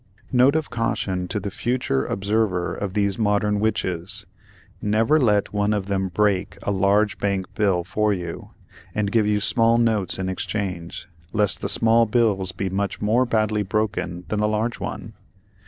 [Note of caution to the future observer of these Modern Witches: Never let one of them "break" a large bank bill for you, and give you small notes in exchange, lest the small bills be much more badly broken than the large one.